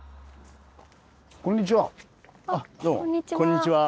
こんにちは。